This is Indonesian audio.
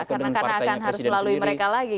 karena akan harus melalui mereka lagi